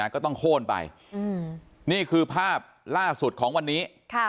ก็ต้องโค้นไปนี่คือภาพล่าสุดของวันนี้